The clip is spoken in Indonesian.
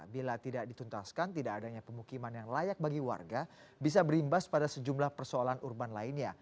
bila tidak dituntaskan tidak adanya pemukiman yang layak bagi warga bisa berimbas pada sejumlah persoalan urban lainnya